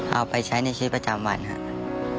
เอาไปใช้ในชีวิตประจำวันครับ